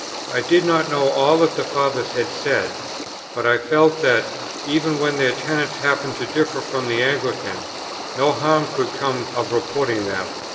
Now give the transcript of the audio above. I did not know all that the Fathers had said, but I felt that, even when their tenets happened to differ from the Anglican, no harm could come of reporting them.